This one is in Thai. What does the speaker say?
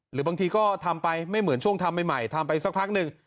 หรือบางทีก็ทำไปไม่เหมือนช่วงทำใหม่ทำไปสักพักหนึ่ง